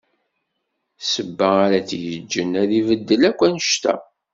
Ssebba ara t-yeǧǧen ad ibeddel akk annect-a.